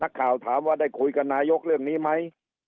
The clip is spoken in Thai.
ข่าวถามว่าได้คุยกับนายกเรื่องนี้ไหม